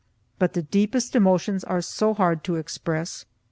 But the deepest emotions are so hard to express.